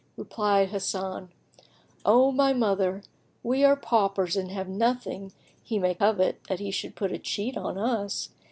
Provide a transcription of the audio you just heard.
Replied Hasan, "O my mother, we are paupers and have nothing he may covet, that he should put a cheat on us.